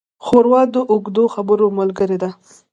ښوروا د اوږدو خبرو ملګري ده.